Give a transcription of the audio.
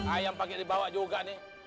ayam pakai dibawa juga nih